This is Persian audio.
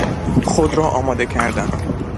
خود را آماده کردن